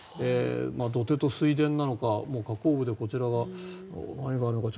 土手と水田なのか河口部でこちらは何があるのか。